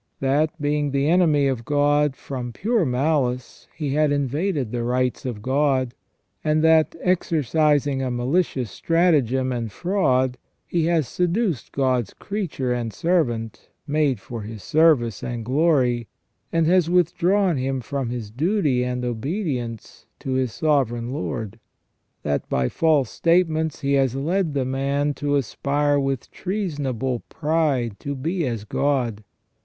That, being the enemy of God, from pure malice he has invaded the rights of God ; and that, 302 THE FALL OF MAN exercising a malicious stratagem and fraud, he has seduced God's creature and servant, made for His service and glory, and has withdrawn him from his duty and obedience to his Sovereign Lord. That, by false statements, he has led the man to aspire with treasonable pride to be as God.